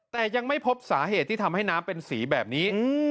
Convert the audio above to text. แต่ยังไม่พบสาเหตุที่ทำให้น้ำเป็นสีแบบนี้